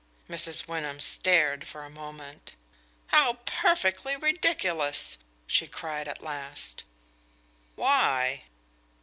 Mrs. Wyndham stared for a moment. "How perfectly ridiculous!" she cried at last. "Why?"